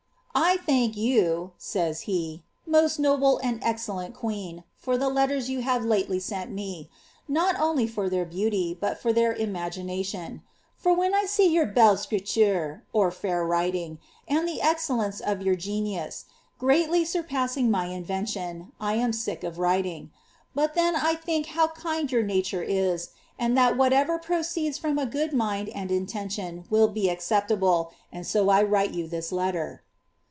" i thank you," saya he, ■■ most itotile nail exoellenl queen, for llie letters you have lately sent me ; not only Tor their beauiVi but for their imagination. For wlien 1 see yuur belle icri twe (fair writing), and the excellence of yonr geniu«, greatly surpaM ing my invention, I am sick of writing. Bnl, then, I think how kind jour nature is, and that whatever proceeds from a gaoil mind and inien Oon will be acceptable; and so I write you this letter.'"